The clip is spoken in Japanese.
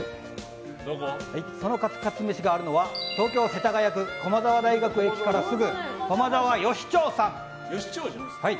そのカツカツ飯があるのは東京・世田谷区駒沢大学駅からすぐ駒沢よし鳥さん。